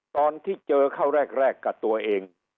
ตอนที่เจอเข้าแรกกับตัวเอง